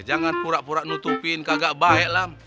jangan pura pura nutupin kagak baik lah